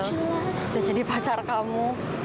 bisa jadi pacar kamu